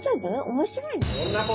面白いの？